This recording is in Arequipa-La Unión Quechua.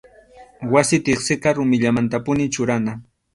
Wasi tiqsiqa rumillamantapunim churana.